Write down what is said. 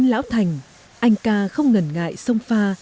nhân lão thành anh ca không ngần ngại xông pha